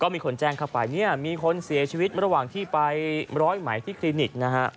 มีคนแจ้งมีคนเสียชีวิตระหว่างที่ไปร้อยไหมที่คลินิก